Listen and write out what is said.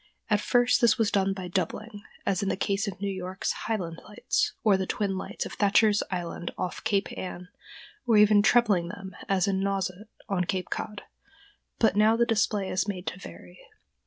At first this was done by doubling, as in the case of New York's "Highland Lights," or the twin lights of Thatcher's Island off Cape Ann, or even trebling them as at Nauset, on Cape Cod, but now the display is made to vary.